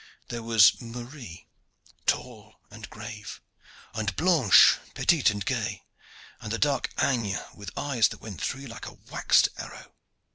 There was Marie, tall and grave, and Blanche petite and gay, and the dark Agnes, with eyes that went through you like a waxed arrow.